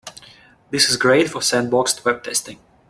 This is great for sandboxed web testing.